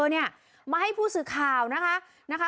มาให้ผู้สื่อข่าวนะคะ